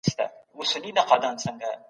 کله به نړیواله ټولنه ویزه تایید کړي؟